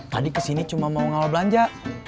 tadi kesini cuma mau ngawal belanja